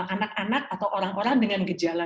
anak anak atau orang orang dengan gejala